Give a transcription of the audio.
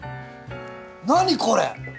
何これ？